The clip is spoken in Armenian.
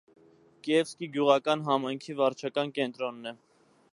Կիևսկի գյուղական համայնքի վարչական կենտրոնն է։